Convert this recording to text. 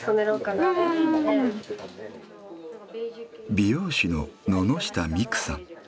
美容師の野々下未来さん。